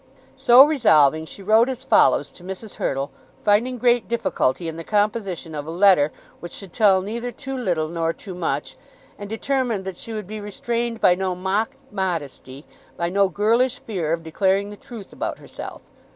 So resolving, she wrote as follows to Mrs. Hurtle, finding great difficulty in the composition of a letter which should tell neither too little nor too much, and determined that she would be restrained by no mock modesty, by no girlish fear of declaring the truth about herself.